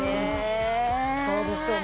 そうですよね。